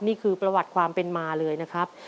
นี่คือประวัติความเป็นมาเลยนะครับ